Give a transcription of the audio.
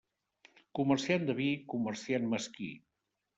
Comerciant de vi, comerciant mesquí.